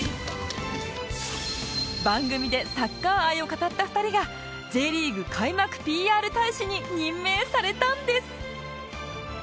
番組でサッカー愛を語った２人が Ｊ リーグ開幕 ＰＲ 大使に任命されたんです